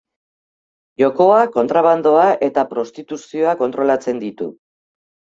Jokoa, kontrabandoa eta prostituzioa kontrolatzen ditu.